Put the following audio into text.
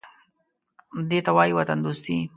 _دې ته وايي وطندوستي.